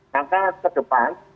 maka ke depan